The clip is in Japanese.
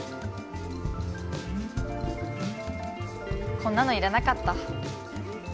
こんなのいらなかった。